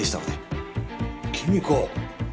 君か。